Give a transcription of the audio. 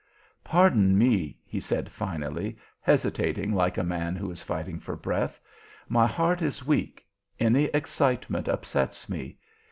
"Pardon me," he said finally, hesitating like a man who is fighting for breath. "My heart is weak; any excitement upsets me.